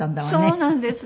そうなんです。